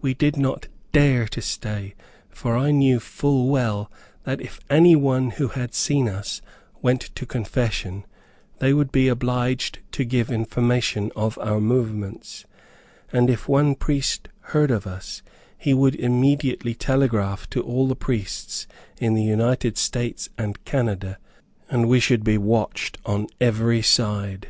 We did not dare to stay, for I knew full well that if any one who had seen us went to confession, they would be obliged to give information of our movements; and if one priest heard of us, he would immediately telegraph to all the priests in the United States and Canada, and we should be watched on every side.